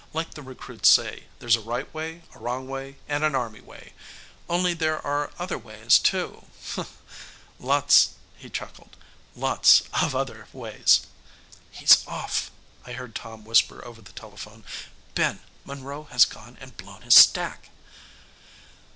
"Like the recruits say, there's a right way, a wrong way and an Army way. Only there are other ways, too." He chuckled. "Lots of other ways." "He's off," I heard Tom whisper over the telephone. "Ben, Monroe has gone and blown his stack."